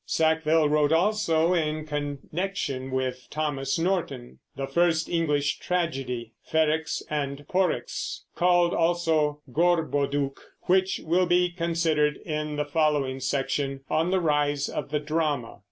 Sackville wrote also, in connection with Thomas Norton, the first English tragedy, Ferrex and Porrex, called also Gorboduc, which will be considered in the following section on the Rise of the Drama.